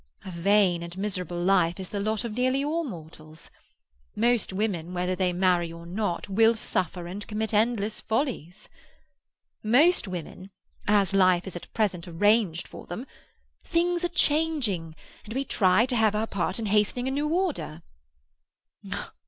A vain and miserable life is the lot of nearly all mortals. Most women, whether they marry or not, will suffer and commit endless follies." "Most women—as life is at present arranged for them. Things are changing, and we try to have our part in hastening a new order."